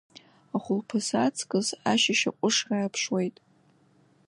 Ахәылԥазы аҵкыс ашьыжь аҟәышра ааԥшуеит.